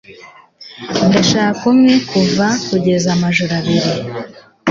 Ndashaka umwe kuva kugeza amajoro abiri.